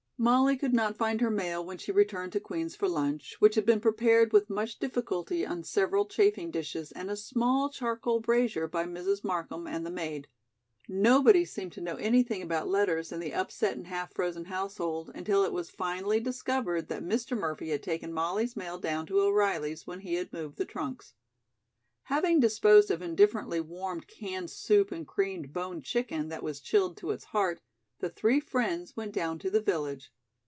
Molly could not find her mail when she returned to Queen's for lunch, which had been prepared with much difficulty on several chafing dishes and a small charcoal brazier by Mrs. Markham and the maid. Nobody seemed to know anything about letters in the upset and half frozen household, until it was finally discovered that Mr. Murphy had taken Molly's mail down to O'Reilly's when he had moved the trunks. Having disposed of indifferently warmed canned soup and creamed boned chicken that was chilled to its heart, the three friends went down to the village.